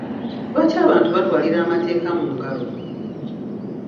Lwaki abantu batwalira amateeka mu ngalo?